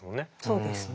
そうですね。